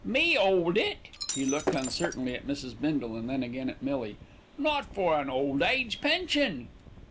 "Me 'old It?" He looked uncertainly at Mrs. Bindle and then again at Millie. "Not for an old age pension."